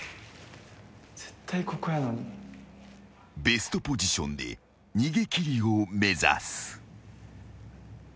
［ベストポジションで逃げ切りを目指す］